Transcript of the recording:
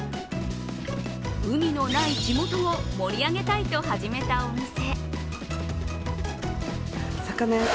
海のない地元を盛り上げたいと始めたお店。